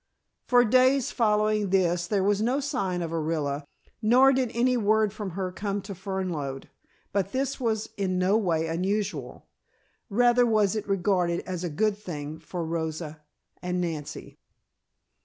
For days following this there was no sign of Orilla nor did any word from her come to Fernlode. But this was in no way unusual, rather was it regarded as a good thing for Rosa and Nancy.